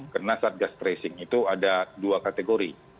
karena saat gas tracing itu ada dua kategori